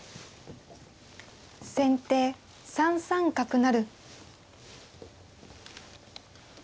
先手３三角成。